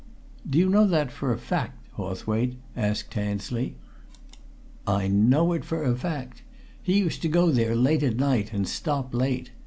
"Do you know that for a fact, Hawthwaite?" asked Tansley. "I know it for a fact! He used to go there late at night, and stop late.